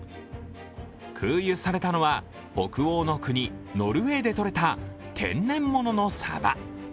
空輸されたのは、北欧の国、ノルウェーでとれた天然物のサバ。